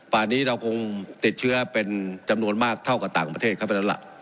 ป่านนี้เราคงติดเชื้อเป็นจำนวนมากเท่ากับต่างประเทศเข้าไปแล้วล่ะ